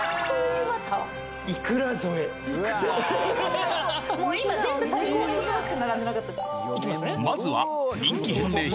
いくら添え最高もう今全部最高の言葉しか並んでなかったまずは人気返礼品